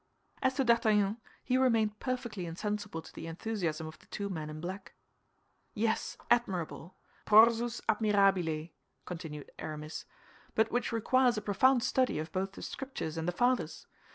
As to D'Artagnan, he remained perfectly insensible to the enthusiasm of the two men in black. "Yes, admirable! prorsus admirabile!" continued Aramis; "but which requires a profound study of both the Scriptures and the Fathers.